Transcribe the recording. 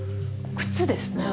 靴ですね。